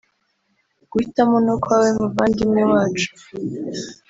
Guhitamo ni ukwawe muvandimwe wacu